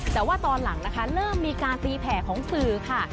แต่ว่าตอนหลังนะคะเริ่มมีการตีแผ่ของสื่อค่ะ